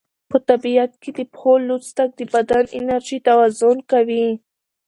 په طبیعت کې د پښو لوڅ تګ د بدن انرژي توازن کوي.